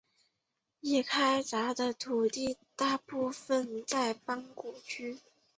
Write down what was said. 已开垦的土地大部分在邦果区。